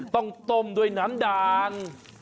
ต้องต้มด้วยน้ำด่าน